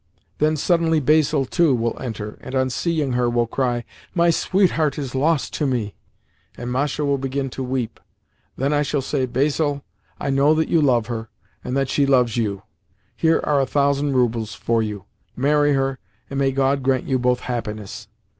Then suddenly Basil too will enter, and, on seeing her, will cry, 'My sweetheart is lost to me!' and Masha will begin to weep, Then I shall say, 'Basil, I know that you love her, and that she loves you. Here are a thousand roubles for you. Marry her, and may God grant you both happiness!